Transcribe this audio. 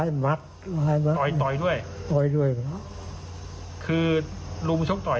อยู่บนเก้าอี้หลวงพาเก้าอี้เลย